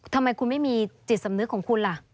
ทำไมคุณไม่มีจิตสำนึกของคุณล่ะ